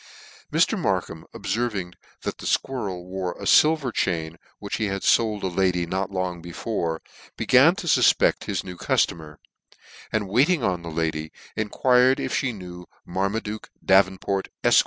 Mr. Markham obferving^that the fquirrel wore a filver chain, which he had fold to a lady not long before, began to fufpect his new cuftomer ; and waiting on the lady, enquired if me knew Marmaduke Davenport, Efq.